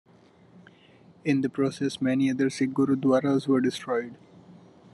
In the process, many other Sikh Gurdwaras were destroyed.